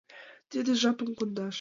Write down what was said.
Тиде жапым кондаш